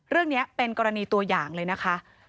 เรื่องนี้เป็นกรณีตัวอย่างเลยนะคะ